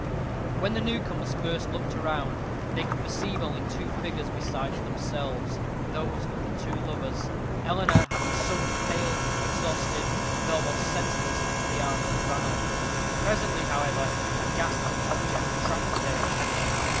When the newcomers first looked round, they could perceive only two figures besides themselves those of the two lovers Eleanor having sunk pale, exhausted, and almost senseless, into the arms of Ranulph. Presently, however, a ghastly object attracted their attention.